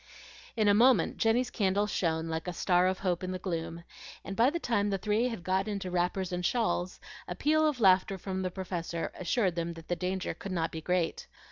In a moment Jenny's candle shone like a star of hope in the gloom, and by the time the three had got into wrappers and shawls, a peal of laughter from the Professor assured them that the danger could not be great.